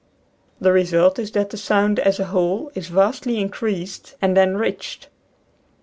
The result is that the sound as a whole is vastly increased and enriched.